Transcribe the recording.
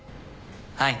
はい。